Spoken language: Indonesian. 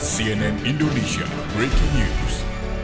sian indonesia breaking news